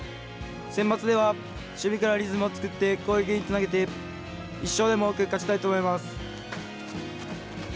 センバツでは守備からリズムを作って攻撃につなげて１勝でも多く勝ちたいと思います。